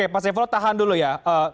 pak saiful tahan dulu ya